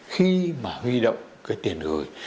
khi mà huy động cái tiền gửi